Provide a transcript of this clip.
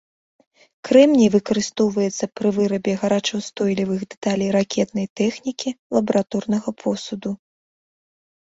Крэмній выкарыстоўваецца пры вырабе гарачаўстойлівых дэталей ракетнай тэхнікі, лабараторнага посуду.